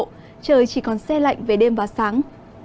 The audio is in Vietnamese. trời chỉ còn xe lạnh về đêm và sáng